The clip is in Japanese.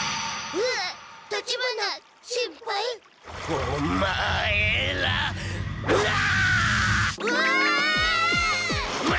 うわ！